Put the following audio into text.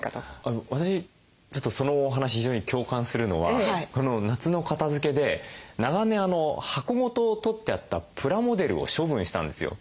私ちょっとそのお話非常に共感するのはこの夏の片づけで長年箱ごととってあったプラモデルを処分したんですよ。